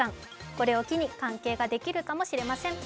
これを機に、関係ができるかもしれません。